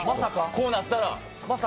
こうなったら。